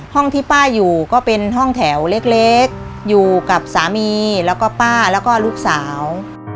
ห้องที่ป้าอยู่ก็เป็นห้องแถวเล็กอยู่กับสามีแล้วก็ป้าแล้วก็ลูกสาว